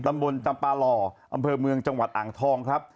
ตำบลจำปาหล่ออำเภอเมืองจังหวัดอ่างทองครับ